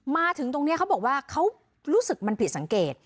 มาถึงตรงนี้เขาบอกว่าเขารู้สึกมันผิดสังเกต